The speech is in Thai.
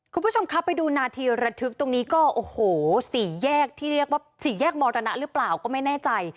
คุณผู้ชมครับไปดูนาทีระทึกตรงนี้ก็โอ้โหสี่แยกที่เรียกว่าสี่แยกมรณะหรือเปล่าก็ไม่แน่ใจ